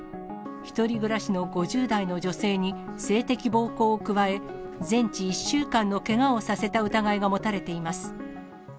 １人暮らしの５０代の女性に性的暴行を加え、全治１週間のけがをさせた疑いが持たれています。